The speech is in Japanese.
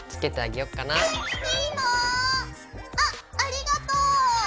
あありがとう。